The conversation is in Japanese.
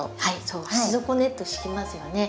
そう鉢底ネット敷きますよね。